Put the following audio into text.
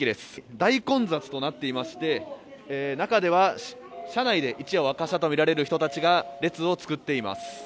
大混雑となっていまして、中では車内で一夜を明かしたとみられる人たちが列を作っています。